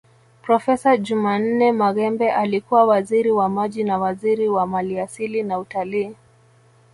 Profesa Jumanne Maghembe alikuwa Waziri wa Maji na waziri wa maliasili na utalii